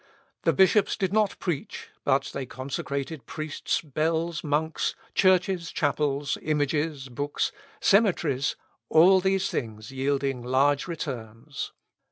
The bishops did not preach, but they consecrated priests, bells, monks, churches, chapels, images, books, cemeteries, all these things yielding large returns.